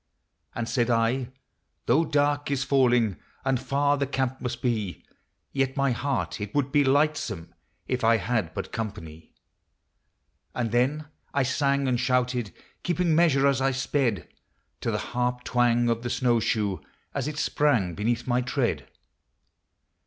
And said I, " Though dark is falling, And far the camp must be, Yet my heart it would be lightsome If I had but company." And then I sang and shouted, Keeping measure, as I sped, To the harp twang of the snow shoe As it sprang beneath my tread.